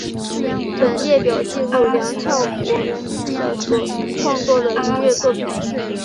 本列表记录梁翘柏的所创作的音乐作品